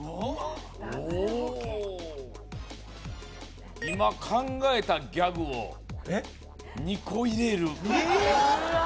おお「今考えたギャグを２個入れる」ええ！